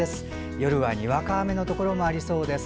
夜はにわか雨のところもありそうです。